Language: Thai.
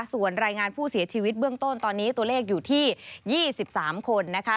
ส่วนรายงานผู้เสียชีวิตเบื้องต้นตอนนี้ตัวเลขอยู่ที่๒๓คนนะคะ